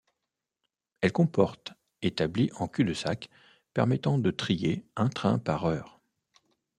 Elle comporte établies en cul-de-sac, permettant de trier un train par heure.